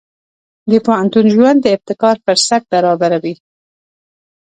د پوهنتون ژوند د ابتکار فرصت برابروي.